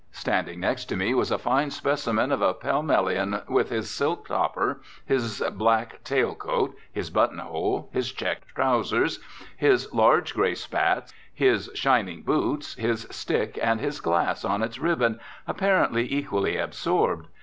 Standing next to me was a fine specimen of a Pall Mallian, with his silk "topper," his black tail coat, his buttonhole, his checked trowsers, his large grey spats, his shining boots, his stick and his glass on its ribbon, apparently equally absorbed.